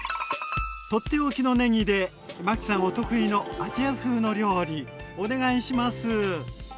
とっておきのねぎでマキさんお得意のアジア風の料理お願いします！